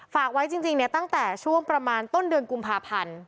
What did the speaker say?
ฝากไว้จริงตั้งแต่ช่วงประมาณต้นเดือนกุมภาพันธ์